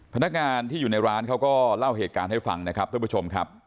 พนักงานที่อยู่ในร้านเขาก็เล่าเหตุการณ์ให้ฟังนะครับท่านผู้ชมครับ